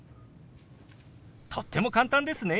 とっても簡単ですね。